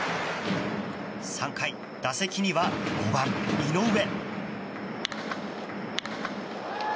３回、打席には５番、井上。